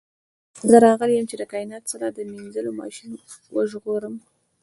زه راغلی یم چې کائنات ستا له مینځلو ماشینونو وژغورم